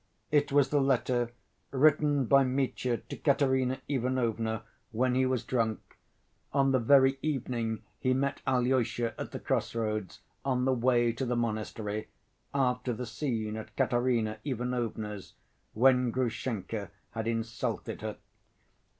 It was the letter written by Mitya to Katerina Ivanovna when he was drunk, on the very evening he met Alyosha at the crossroads on the way to the monastery, after the scene at Katerina Ivanovna's, when Grushenka had insulted her.